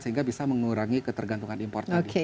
sehingga bisa mengurangi ketergantungan impor tadi